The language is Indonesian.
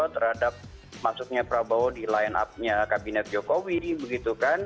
terhadap maksudnya prabowo di line up nya kabinet jokowi